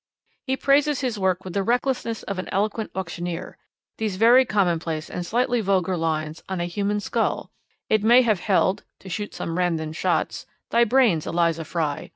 He praises his work with the recklessness of an eloquent auctioneer. These very commonplace and slightly vulgar lines on A Human Skull: It may have held (to shoot some random shots) Thy brains, Eliza Fry!